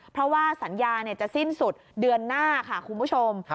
เพราะว่าสัญญาจะสิ้นสุดเดือนหน้าค่ะคุณผู้ชม